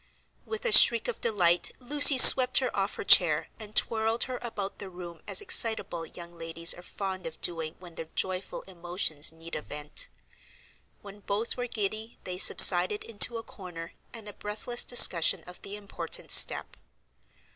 With a shriek of delight Lucy swept her off her chair, and twirled her about the room as excitable young ladies are fond of doing when their joyful emotions need a vent. When both were giddy they subsided into a corner and a breathless discussion of the important step.